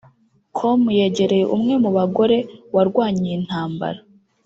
com yegereye umwe mu bagore warwanye iyi ntambara